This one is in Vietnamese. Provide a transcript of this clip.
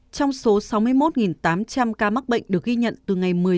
trong số sáu mươi một tám trăm linh ca mắc bệnh được ghi nhận từ ngày một mươi hai